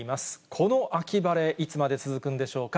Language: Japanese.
この秋晴れ、いつまで続くんでしょうか。